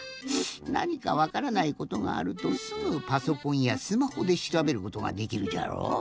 なにかわからないことがあるとすぐパソコンやスマホでしらべることができるじゃろう。